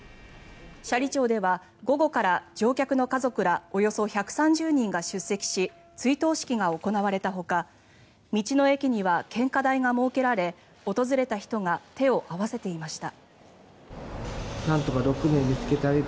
斜里町では午後から乗客の家族らおよそ１３０人が出席し追悼式が行われたほか道の駅には献花台が設けられ訪れた人が手を合わせていました。